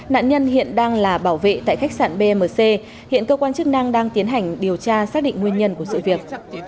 nạn nhân hiện đang là bảo vệ tại khách sạn bmc hiện cơ quan chức năng đang tiến hành điều tra xác định nguyên nhân của sự việc